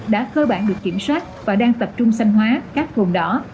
đã cơ bản được kiểm soát và đang tập trung xanh hóa các hồn đỏ